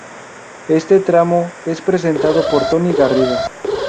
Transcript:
Este tramo es presentado por Toni Garrido.